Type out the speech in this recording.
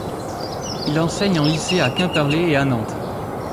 Il enseigne en lycée à Quimperlé et à Nantes.